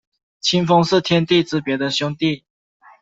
清风是天地之别的兄弟。